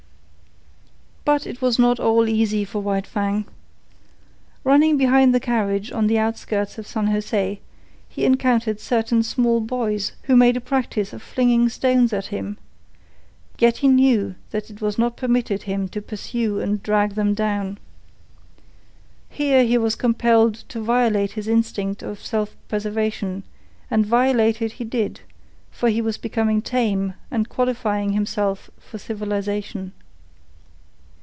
But it was not all easy for White Fang. Running behind the carriage in the outskirts of San Jose, he encountered certain small boys who made a practice of flinging stones at him. Yet he knew that it was not permitted him to pursue and drag them down. Here he was compelled to violate his instinct of self preservation, and violate it he did, for he was becoming tame and qualifying himself for civilisation.